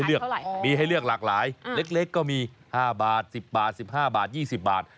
เลือกมีให้เลือกหลากหลายเล็กก็มี๕บาท๑๐บาท๑๕บาท๒๐บาท